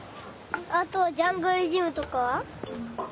あとジャングルジムとかは？